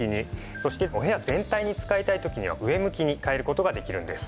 そしてお部屋全体に使いたい時には上向きに変える事ができるんです。